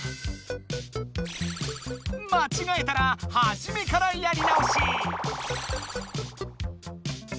まちがえたらはじめからやり直し。